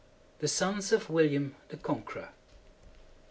THE SONS OF WILLIAM THE CONQUEROR.